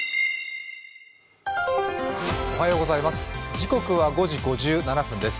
時刻は５時５７分です。